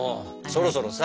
そろそろさ